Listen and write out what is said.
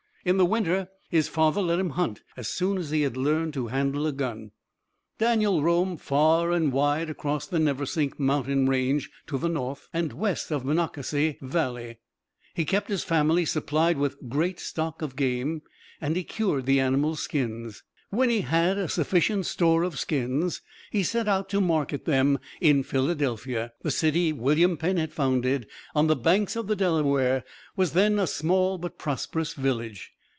In the winter his father let him hunt as soon as he had learned to handle a gun. Daniel roamed far and wide across the Neversink mountain range to the north and west of Monocacy Valley. He kept his family supplied with great stock of game, and he cured the animals' skins. When he had a sufficient store of skins he set out to market them in Philadelphia. The city William Penn had founded on the banks of the Delaware was then a small but prosperous village.